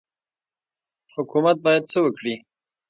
حکومت باید څه وکړي؟